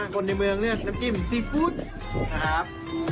คนในเมืองเรียกน้ำจิ้มซีฟู้ดนะครับ